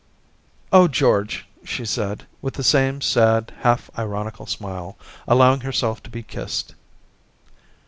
* Oh, George !' she said, with the same sad, half ironical smile, allowing herself to be kissed.